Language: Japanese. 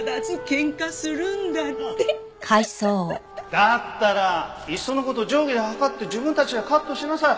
だったらいっその事定規で測って自分たちでカットしなさい。